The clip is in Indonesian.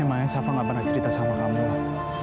emangnya sava gak pernah cerita sama kamu lah